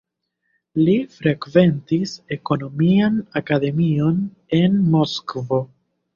Li frekventis ekonomian akademion en Moskvo.